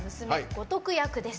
五徳役です。